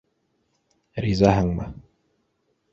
Ризаһыңмы?